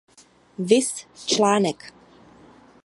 Viz článek.